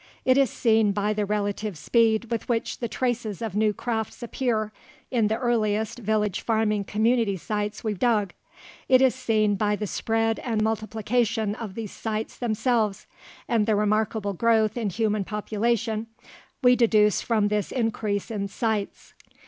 It is seen by the relative speed with which the traces of new crafts appear in the earliest village farming community sites we've dug. It is seen by the spread and multiplication of these sites themselves, and the remarkable growth in human population we deduce from this increase in sites.